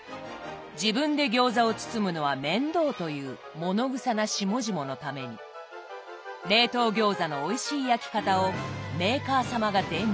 自分で餃子を包むのは面倒というものぐさな下々のために冷凍餃子のおいしい焼き方をメーカー様が伝授。